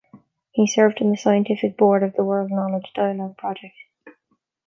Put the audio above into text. He served on the scientific board of the World Knowledge Dialogue project.